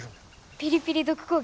ピリピリ毒攻撃？